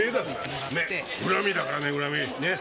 恨みだからね恨み。ね。